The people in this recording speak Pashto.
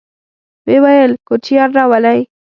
ويې ويل: کوچيان راولئ!